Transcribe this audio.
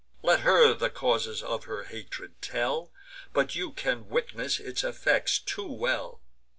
Let her the causes of her hatred tell; But you can witness its effects too well.